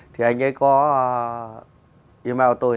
thì anh ấy có email tôi